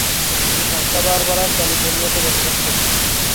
তিনি Santa Barbara, ক্যালিফোর্নিয়াতে বসবাস করতেন।